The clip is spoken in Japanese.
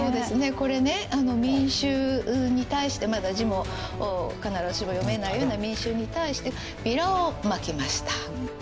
これね民衆に対してまだ字も必ずしも読めないような民衆に対してビラをまきました。